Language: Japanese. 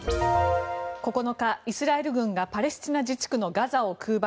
９日、イスラエル軍がパレスチナ自治区のガザを空爆。